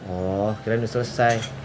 oh kirain udah selesai